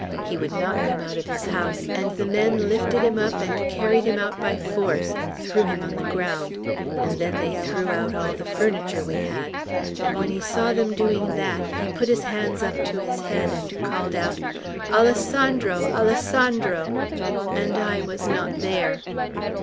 He would not come out of his house, and the men lifted him up and carried him out by force, and threw him on the ground; and then they threw out all the furniture we had; and when he saw them doing that, he put his hands up to his head, and called out, 'Alessandro! Alessandro!' and I was not there!